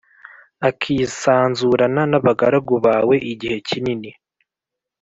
akisanzurana n’abagaragu bawe, igihe kinini